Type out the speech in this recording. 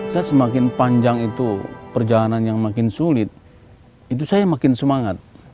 saya semakin panjang itu perjalanan yang makin sulit itu saya makin semangat